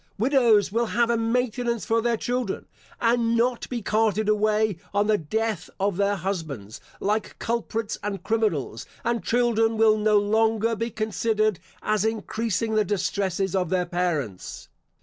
Widows will have a maintenance for their children, and not be carted away, on the death of their husbands, like culprits and criminals; and children will no longer be considered as increasing the distresses of their parents.